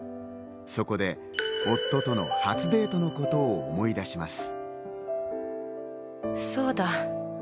そこで夫との初デートの事を思い出します。